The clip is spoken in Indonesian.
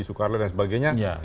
subkarno dan sebagainya